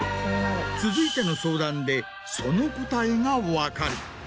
続いての相談でその答えが分かる。